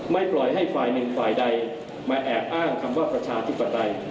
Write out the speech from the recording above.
ไม่ปล่อยให้ฝ่ายหนึ่งฝ่ายใดมาแอบอ้างคำว่าประชาธิปไตย